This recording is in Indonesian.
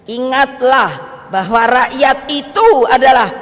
ingatlah bahwa rakyat itu adalah